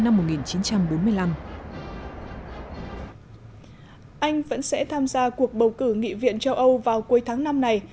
anh vẫn sẽ tham gia cuộc bầu cử nghị viện châu âu vào cuối tháng năm này